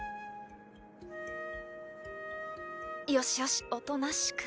よしよしおとなしく。